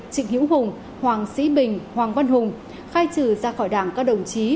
trịnh hiễu hùng hoàng sĩ bình hoàng văn hùng khai trừ ra khỏi đảng các đồng chí